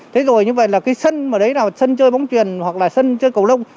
thế rồi như vậy là cái sân mà đấy là sân chơi bóng truyền